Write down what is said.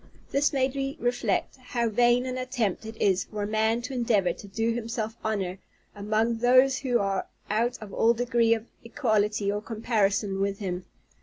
This made me reflect, how vain an attempt it is for a man to endeavor to do himself honor among those who are out of all degree of equality or comparison with him.